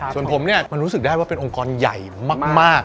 ส่วนผมเนี่ยมันรู้สึกได้ว่าเป็นองค์กรใหญ่มาก